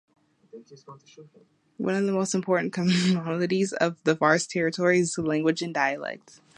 One of the most important commonalities of the "Fars territory" is language and dialect.